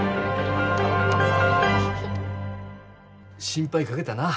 心配かけたな。